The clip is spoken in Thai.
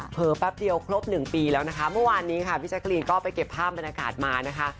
เผลอแป๊บเดียวครบ๑ปีแล้วนะคะเมื่อวานนี้พี่ชักกะลีนก็ไปเก็บภาพบรรณากาศมานะคะ